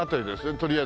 とりあえず。